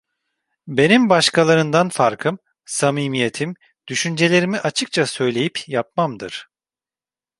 Benim başkalarından farkım; samimiyetim, düşüncelerimi açıkça söyleyip yapmamdır.